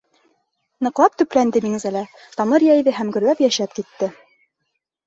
Ныҡлап төпләнде Миңзәлә, тамыр йәйҙе һәм гөрләп йәшәп китте.